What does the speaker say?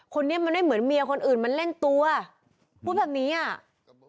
คนนี้มันไม่เหมือนเมียคนอื่นมาเล่นตัวพูดแบบนี้อ่ะ